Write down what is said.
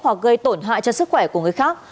hoặc gây tổn hại cho sức khỏe của người khác